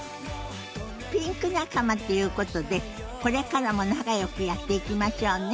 ピンク仲間っていうことでこれからも仲よくやっていきましょうね。